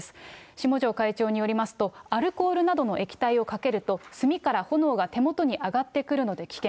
下城会長によりますと、アルコールなどの液体をかけると、炭から炎が手元に上がってくるので危険。